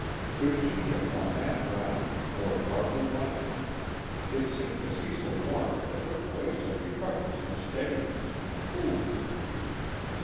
Could she have won that round, or partly won it? It seemed to Cecil Warner that her voice had recovered some steadiness and coolness.